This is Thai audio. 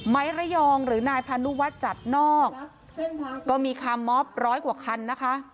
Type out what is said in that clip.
ระยองหรือนายพานุวัฒน์จัดนอกก็มีคาร์มอบร้อยกว่าคันนะคะ